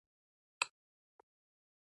مالکان یې مبادلې ته چمتو شوي دي.